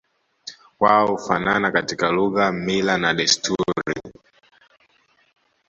Wao hufanana katika lugha mila na desturi